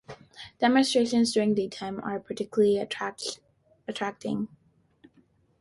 Demonstrations during daytimes are a popular attraction.